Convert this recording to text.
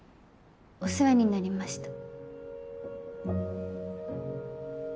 お世話になりました。